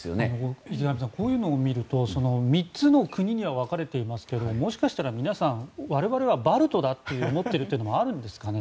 こういうのを見ると３つの国には分かれていますがもしかしたら皆さん我々はバルトだと思っているというのもあるんですかね。